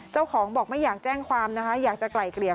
เจ้าของบอกไม่อยากแจ้งความนะคะอยากจะไกลเกลี่ย